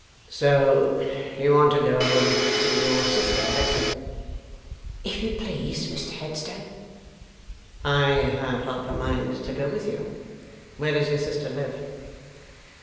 'So you want to go and see your sister, Hexam?' 'If you please, Mr Headstone.' 'I have half a mind to go with you. Where does your sister live?